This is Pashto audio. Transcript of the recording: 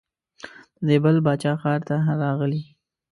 د دې بل باچا ښار ته راغلې.